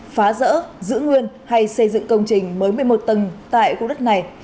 phá rỡ giữ nguyên hay xây dựng công trình mới một mươi một tầng tại khu đất này